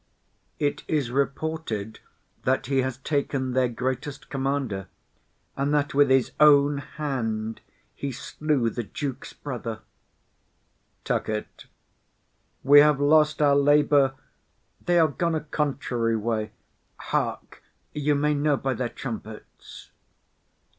It is reported that he has taken their great'st commander, and that with his own hand he slew the duke's brother. [A tucket afar off.] We have lost our labour; they are gone a contrary way. Hark! you may know by their trumpets.